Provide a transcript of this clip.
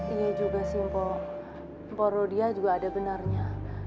iya juga sih mpo mpo rodia juga ada benarnya